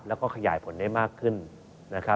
แล้วก็ขยายผลได้มากขึ้น